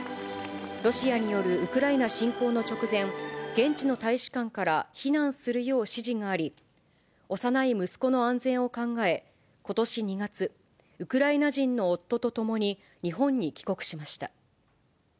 ロシアによるウクライナ侵攻の直前、現地の大使館から避難するよう指示があり、幼い息子の安全を考え、ことし２月、ウクライナ人の夫と共に日本に帰国しました。